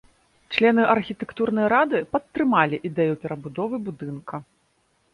Члены архітэктурнай рады падтрымалі ідэю перабудовы будынка.